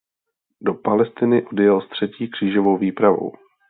Do Palestiny odjel s třetí křížovou výpravou.